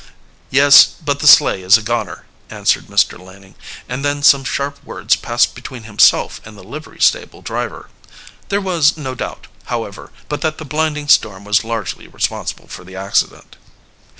"Yes, but the sleigh is a goner," answered Mr. Laning, and then some sharp words passed between himself and the livery stable driver. There was no doubt, however, but that the blinding storm was largely responsible for the accident.